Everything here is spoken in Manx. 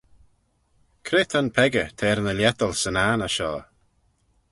Cre ta'n peccah t'er ny lhiettal 'syn anney shoh?